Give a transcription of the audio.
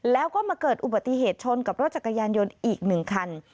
แล้วก็มาเกิดอุบัติเหตุชนกับรถจักรยานยนต์อีก๑คัน